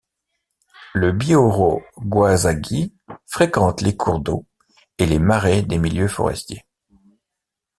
Le Bihoreau goisagi fréquente les cours d’eau et les marais des milieux forestiers.